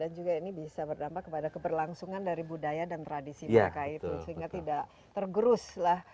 dan juga ini bisa berdampak kepada keberlangsungan dari budaya dan tradisi mereka itu sehingga tidak tergerus lah